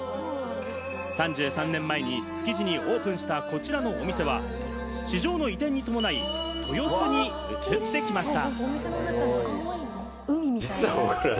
３３年前に築地にオープンしたこちらのお店は、市場の移転に伴い、豊洲に移ってきました。